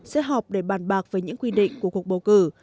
sẽ họp để bàn bạc về những quy định của cuộc bầu cử